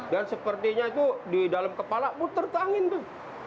dan sepertinya itu di dalam kepala muter tuh angin tuh